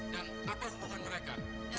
dan apa hubungan mereka